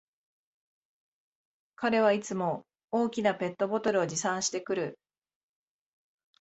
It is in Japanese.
彼はいつも大きなペットボトルを持参してくる